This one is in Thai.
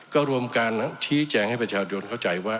ก็รวมการชี้แจงให้ประชาชนเข้าใจว่า